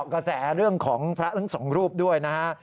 กระแสเรื่องของพระทั้งสองรูปด้วยนะฮะ